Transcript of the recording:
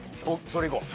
それいこう。